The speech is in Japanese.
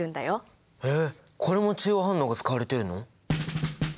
えっこれも中和反応が使われてるの？